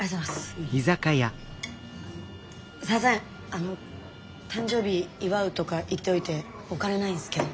あの誕生日祝うとか言っておいてお金ないんすけど。